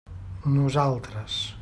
Nosaltres.